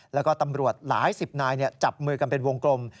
แล้วก็ตำรวจหลายสิบนายจับมือกันเป็นวงกลม